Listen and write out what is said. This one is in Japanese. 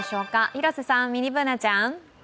広瀬さん、ミニＢｏｏｎａちゃん。